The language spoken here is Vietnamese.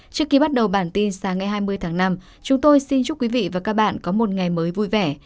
trước khi bắt đầu bản tin sáng ngày hai mươi tháng năm chúng tôi xin chúc quý vị và các bạn có một ngày mới vui vẻ